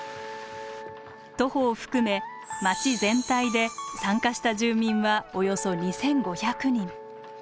徒歩を含め町全体で参加した住民はおよそ２，５００人。